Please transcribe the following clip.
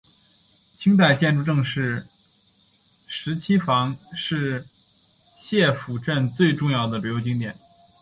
清代建筑郑氏十七房是澥浦镇最重要的旅游景点。